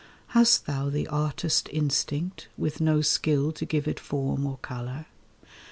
Hast thou the artist instinct with no skill To give it form or colour?